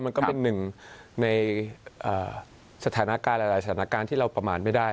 มันก็เป็นหนึ่งในสถานการณ์หลายสถานการณ์ที่เราประมาณไม่ได้